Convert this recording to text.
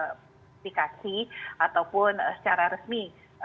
aplikasi ataupun secara resmi